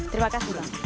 terima kasih bang